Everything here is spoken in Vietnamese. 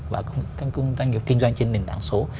và doanh nghiệp kinh doanh trên nền đảng số